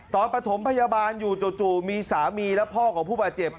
ประถมพยาบาลอยู่จู่มีสามีและพ่อของผู้บาดเจ็บ